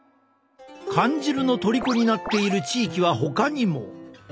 缶汁のとりこになっている地域はほかにも！